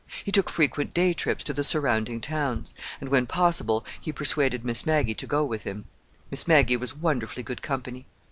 He took frequent day trips to the surrounding towns, and when possible he persuaded Miss Maggie to go with him. Miss Maggie was wonderfully good company.